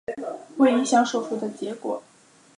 不会影响手术的结果。